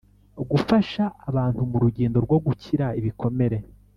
Gufasha abantu mu rugendo rwo gukira ibikomere